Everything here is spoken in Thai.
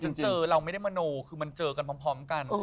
เจอเราไม่ได้มโนคือมันเจอกันพร้อมกัน